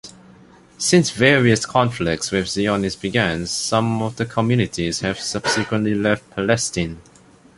Since various conflicts with Zionists began, some of the communities have subsequently left Palestine.